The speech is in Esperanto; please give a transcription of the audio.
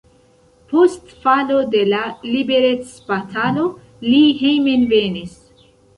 Post falo de la liberecbatalo li hejmenvenis.